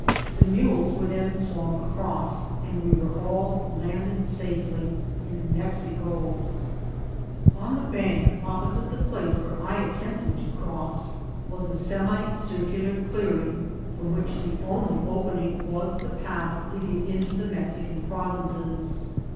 The mules were then swum across, and we were all ianded safely in Mexico. On the bank opposite the place where I attempted to 244 INCIDENTS OF TRAVEL. MOSS was a semicircular clearing, from which the only opening was the path leading into the Mexican prov inces.